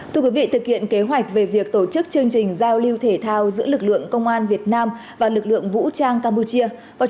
thưa quý vị thực hiện kế hoạch về việc tổ chức chương trình giao lưu thể thao giữa lực lượng công an việt nam và lực lượng vũ trang campuchia